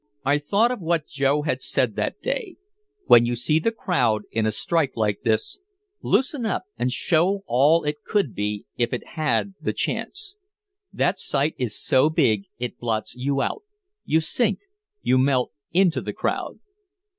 I thought of what Joe had said that day: "When you see the crowd, in a strike like this, loosen up and show all it could be if it had the chance that sight is so big it blots you out you sink you melt into the crowd."